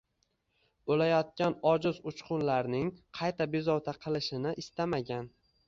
O’layotgan ojiz uchqunlarning qayta bezovta qilishini istamagan